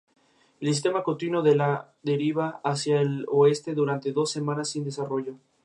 El sistema continuó a la deriva hacia el oeste durante dos semanas sin desarrollo.